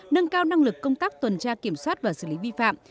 nâng cao năng lực công tác tuần tra kiểm soát và xử lý vi phạm